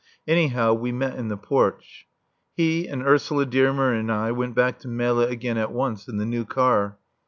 Anyhow, we met in the porch. He and Ursula Dearmer and I went back to Melle again at once, in the new car.